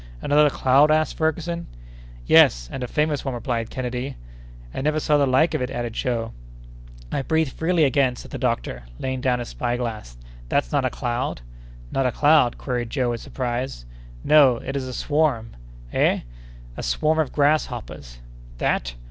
another cloud?" asked Ferguson. "Yes, and a famous one," replied Kennedy. "I never saw the like of it," added Joe. "I breathe freely again!" said the doctor, laying down his spy glass. "That's not a cloud!" "Not a cloud?" queried Joe, with surprise. "No; it is a swarm." "Eh?" "A swarm of grasshoppers!" "That?